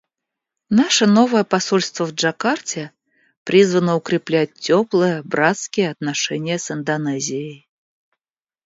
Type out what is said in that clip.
Наше новое посольство в Джакарте призвано укреплять теплые, братские отношения с Индонезией.